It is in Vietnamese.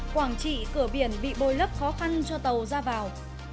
quảng trị cửa biển bị bồi lấp khó khăn cho tàu ra vào